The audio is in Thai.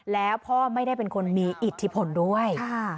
แล้วพ่อไม่ได้เป็นคนมีอิทธิพลด้วย